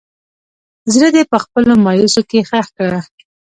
زړه دې په خپلو مايوسو کښې ښخ کړه